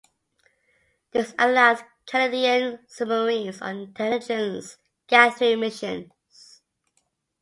This allowed Canadian submarines on intelligence-gathering missions.